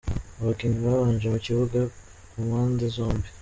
Abakinnyi babanje mu kibuga ku mpanze zombi:.